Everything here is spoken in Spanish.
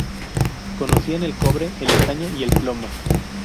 Conocían el cobre, el estaño y el plomo.